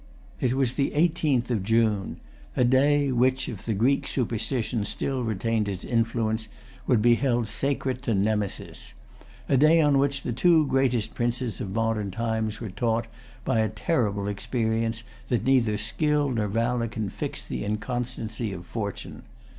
It was the eighteenth of June,—a day which, if the Greek superstition still retained its influence, would be held sacred to Nemesis,—a day on which the two greatest princes of modern times were taught, by a terrible experience, that neither skill nor valor can fix the inconstancy of fortune.